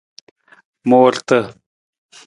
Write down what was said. Muurata.